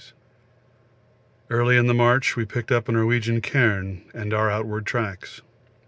Early in the march we picked up a Norwegian cairn and our outward tracks.